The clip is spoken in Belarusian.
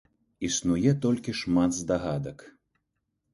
Існуе толькі шмат здагадак.